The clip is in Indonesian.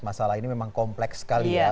masalah ini memang kompleks sekali ya